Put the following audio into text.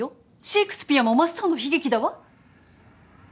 シェークスピアも真っ青の悲劇だわ。